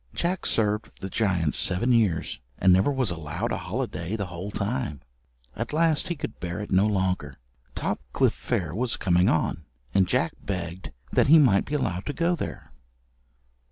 Jack served the giant seven years, and never was allowed a holiday the whole time. At last he could bear it no longer. Topcliffe fair was coming on, and Jack begged that he might be allowed to go there.